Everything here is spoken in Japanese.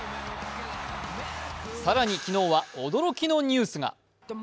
更に昨日は驚きのニュースが。